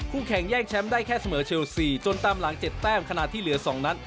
แข่งแย่งแชมป์ได้แค่เสมอเชลซีจนตามหลัง๗แต้มขณะที่เหลือ๒นัด